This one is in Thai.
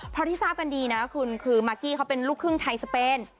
เพราะที่ทราบกันดีนะคุณคือมากกี้เขาเป็นลูกครึ่งไทยสเปน